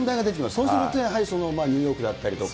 そうするとやはりニューヨークだったりとか。